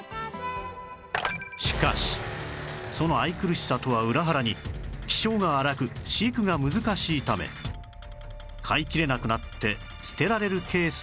しかしその愛くるしさとは裏腹に気性が荒く飼育が難しいため飼いきれなくなって捨てられるケースが続出